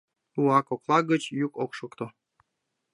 Уа кокла гыч йӱк ок шокто.